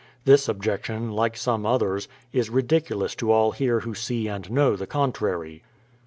This objection, like som.e others, is ridiculous to all here who see and know the contrary.